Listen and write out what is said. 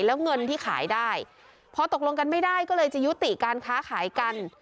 แล้วเงินที่ขายได้พอตกลงกันไม่ได้ก็เลยจะยุติการค้าขายกัน